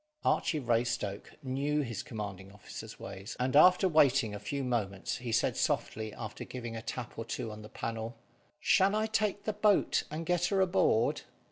Archy Raystoke knew his commanding officer's ways, and after waiting a few moments, he said softly, after giving a tap or two on the panel "Shall I take the boat and get her aboard?"